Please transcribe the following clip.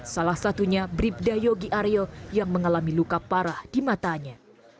salah satunya bribdayo gyaryo yang mengalami luka parah di matanya